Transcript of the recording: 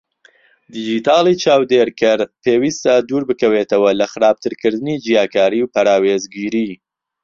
دیجیتاڵی چاودێرکەر پێویستە دووربکەوێتەوە لە خراپترکردنی جیاکاری و پەراوێزگیری؛